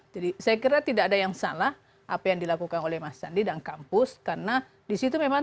jadi saya kira tidak ada yang salah apa yang dilakukan oleh mas andi dan kampus karena disitu memang